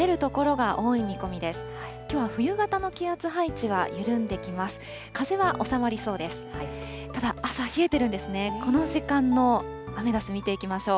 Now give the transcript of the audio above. この時間のアメダス見ていきましょう。